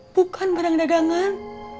bukan barang dagangan